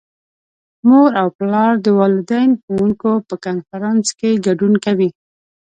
مور او پلار د والدین - ښوونکو په کنفرانس کې ګډون کوي.